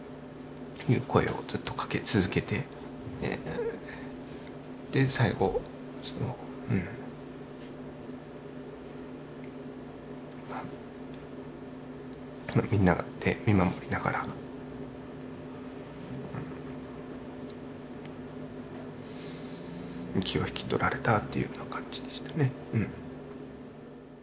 声をずっとかけ続けて最後そのみんなで見守りながら息を引き取られたというような感じでしたね。